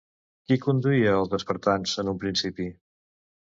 Qui conduïa els espartans, en un principi?